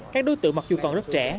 các đối tượng mặc dù còn rất trẻ